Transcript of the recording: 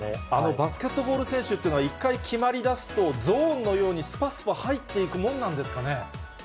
バスケットボール選手というのは、一回決まりだすと、ゾーンのようにすぱすぱ入っていくもんなんですかね。